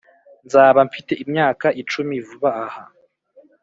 nzaba mfite imyaka icumi vuba aha,